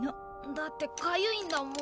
だって痒いんだもん。